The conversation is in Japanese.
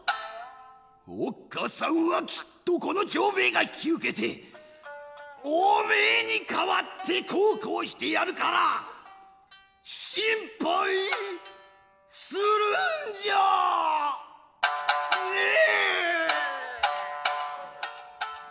おっかさんはきっとこの長兵衛が引き受けてお前に代わって孝行してやるから心配するんじゃねえ」。